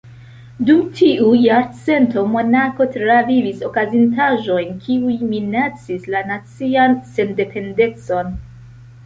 Dum tiu jarcento, Monako travivis okazintaĵojn kiuj minacis la nacian sendependecon.